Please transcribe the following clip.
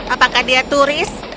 apakah dia turis